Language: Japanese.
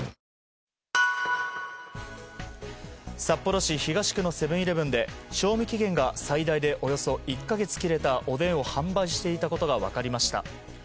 札幌市東区のセブン‐イレブンで賞味期限が最大でおよそ１か月切れたおでんを販売していたことが分かりました。